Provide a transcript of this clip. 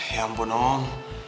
ya ampun om